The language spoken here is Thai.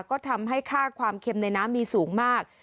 ก็ทำให้ค่าความเค็มในน้ำมีสูงมาก